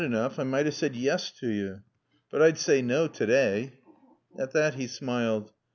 I med 'a' said yes t' yo'. But I'd saay naw to day." At that he smiled.